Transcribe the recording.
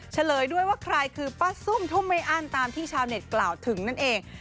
เฉลยด้วยว่าใครคือป้าซุ่มทุ่มไม่อั้นตามที่ชาวเน็ตกล่าวถึงนั่นเอง